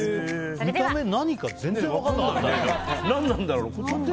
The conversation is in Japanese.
見た目何か全然分からなかった。